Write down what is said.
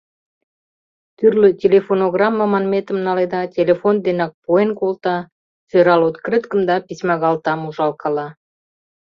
Тӱрлӧ телефонограмме манметым наледа, телефон денак пуэн колта, сӧрал открыткым да письмагалтам ужалкала.